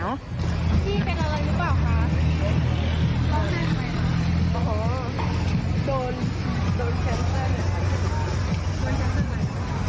พี่เป็นอะไรหรือเปล่าคะร้องไห้อะไรไหม